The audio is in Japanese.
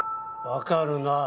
わかるな？